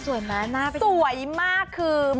สวยมากคือ